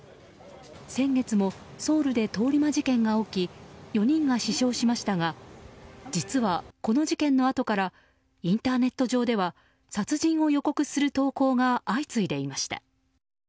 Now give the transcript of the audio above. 先月もソウルで通り魔事件が起き４人が死傷しましたが実はこの事件のあとからインターネット上では殺人を予告する投稿が相次いでました。